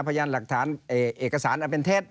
พยานหลักฐานเอกสารอันเป็นเท็จ